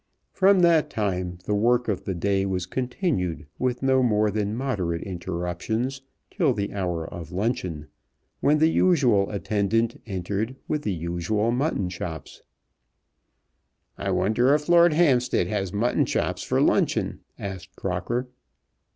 From that time the work of the day was continued with no more than moderate interruptions till the hour of luncheon, when the usual attendant entered with the usual mutton chops. "I wonder if Lord Hampstead has mutton chops for luncheon?" asked Crocker.